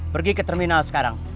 pergi ke terminal sekarang